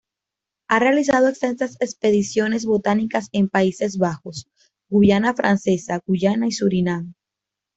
Ha realizado extensas expediciones botánicas en Países Bajos, Guyana Francesa, Guyana y Surinam.